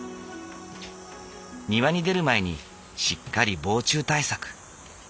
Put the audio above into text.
庭に出る前にしっかり防虫対策。